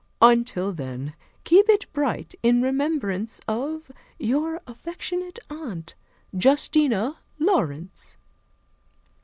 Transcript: "Until then, keep it bright in remembrance of "Your affectionate aunt, "Justina Laurence."